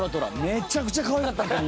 めちゃくちゃかわいかったんすよ